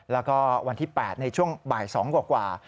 แล้วก็วันที่๘ในช่วงบ่าย๒กว่า